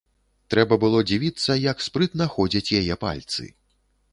Трэба было дзівіцца, як спрытна ходзяць яе пальцы.